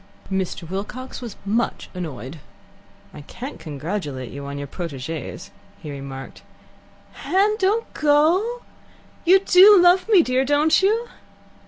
Mr. Wilcox was much annoyed. "I can't congratulate you on your proteges," he remarked. "Hen, don't go. You do love me, dear, don't you?"